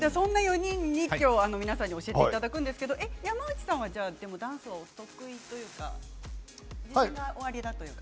今日は皆さんに教えていただくんですが山内さんはダンスがお得意というか経験がおありだというか。